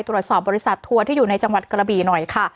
ตรวจสอบบริษัททัวร์ที่อยู่ในจังหวัดกระบี่หน่อยค่ะ